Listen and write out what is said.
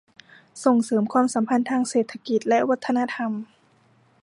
ส่งเสริมความสัมพันธ์ทางเศรษฐกิจและวัฒนธรรม